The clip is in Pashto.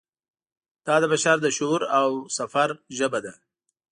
دا د بشر د شعور او سفر ژبه ده.